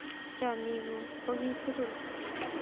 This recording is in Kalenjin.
Chomyet ng'uung ko kiy tugul